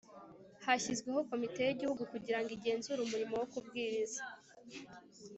Hashyizweho Komite Y Igihugu Kugira Ngo Igenzure Umurimo Wo Kubwiriza